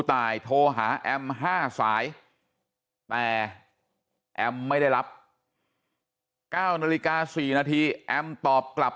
ตายโทรหาแอม๕สายแต่แอมไม่ได้รับ๙นาฬิกา๔นาทีแอมตอบกลับ